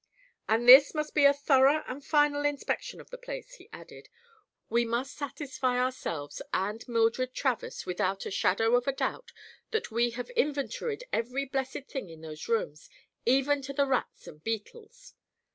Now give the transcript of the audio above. "And this must be a thorough and final inspection of the place," he added. "We must satisfy ourselves and Mildred Travers, without the shadow of a doubt, that we have inventoried every blessed thing in those rooms—even to the rats and beetles."